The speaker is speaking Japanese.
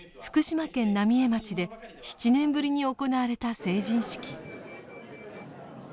福島県浪江町で７年ぶりに行われた成人式。